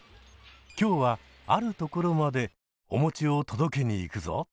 今日はあるところまでおもちを届けに行くぞ！